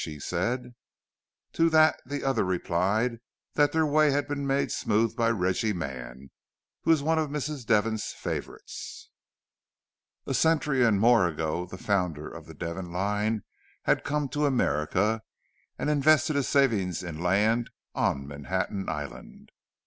she said. To that the other replied that their way had been made smooth by Reggie Mann, who was one of Mrs. Devon's favourites. A century and more ago the founder of the Devon line had come to America, and invested his savings in land on Manhattan Island.